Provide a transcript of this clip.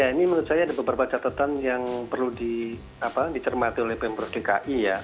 ya ini menurut saya ada beberapa catatan yang perlu dicermati oleh pemprov dki ya